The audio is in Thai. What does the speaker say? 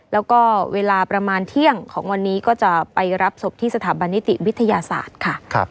แล้วก็เวลาประมาณเที่ยงของวันนี้ก็จะไปรับศพที่สถาบันนิติวิทยาศาสตร์ค่ะ